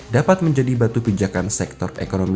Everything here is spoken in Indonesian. dapat menjadi batu pinjakan sektor ekonomi